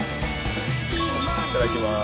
いただきます。